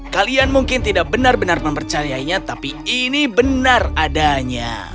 kalian mungkin tidak benar benar mempercayainya tapi ini benar adanya